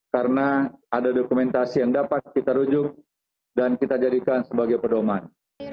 karena ada dokumentasi yang dapat kita rujuk dan kita jadikan sebagai perdomaan